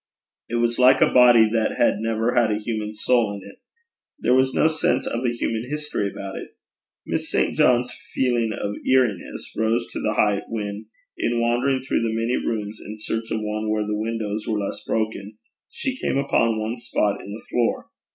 It was like a body that had never had a human soul in it. There was no sense of a human history about it. Miss St. John's feeling of eeriness rose to the height when, in wandering through the many rooms in search of one where the windows were less broken, she came upon one spot in the floor.